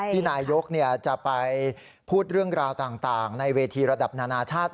นายกจะไปพูดเรื่องราวต่างในเวทีระดับนานาชาติ